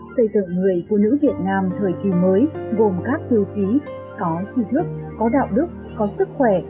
xây dựng người phụ nữ việt nam thời kỳ mới gồm các tiêu chí có trí thức có đạo đức có sức khỏe